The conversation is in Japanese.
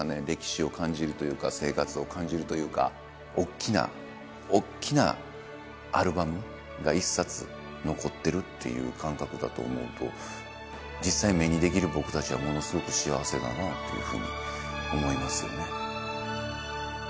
歴史を感じるというか生活を感じるというかおっきなおっきなアルバムが一冊残ってるっていう感覚だと思うと実際目にできる僕達はものすごく幸せだなというふうに思いますよね